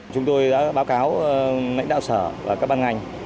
chúng tôi đã báo cáo lãnh đạo sở và các ban ngành